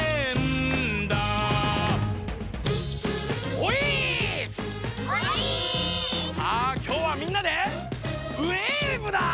おいっすー！さあきょうはみんなでウエーブだ！